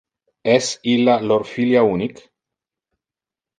Es illa lor filia unic?